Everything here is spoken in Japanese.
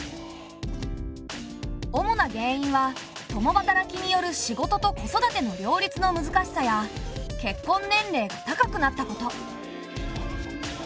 主な原因は共働きによる仕事と子育ての両立の難しさや結婚年齢が高くなったこと。